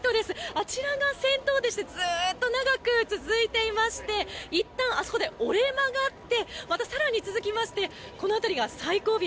あちらが先頭でしてずっと長く続いていましていったんあそこで折れ曲がってまた更に続きましてこの辺りが最後尾。